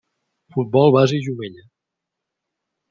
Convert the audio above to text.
Futbol Basi Jumella.